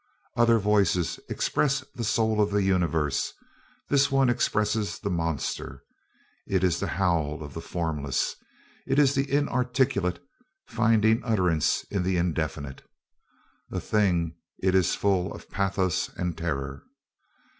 Other voices express the soul of the universe; this one expresses the monster. It is the howl of the formless. It is the inarticulate finding utterance in the indefinite. A thing it is full of pathos and terror.